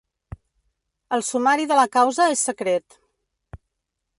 El sumari de la causa és secret.